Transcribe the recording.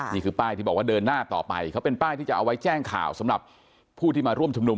นี่คือป้ายที่บอกว่าเดินหน้าต่อไปเขาเป็นป้ายที่จะเอาไว้แจ้งข่าวสำหรับผู้ที่มาร่วมชุมนุม